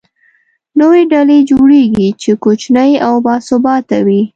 نوې ډلې جوړېږي، چې کوچنۍ او باثباته وي.